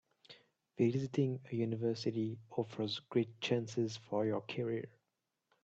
Visiting a university offers great chances for your career.